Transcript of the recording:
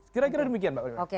kira kira demikian pak oke